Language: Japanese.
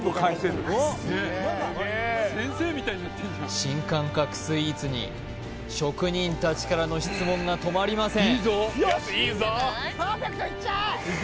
新感覚スイーツに職人たちからの質問が止まりません